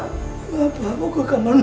bapak mau ke kamar nanti